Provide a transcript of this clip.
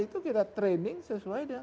itu kita training sesuai dengan